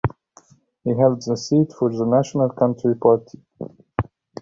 He held the seat for the National Country Party.